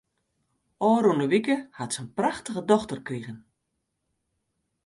Ofrûne wike hat se in prachtige dochter krigen.